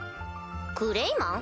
クレイマン？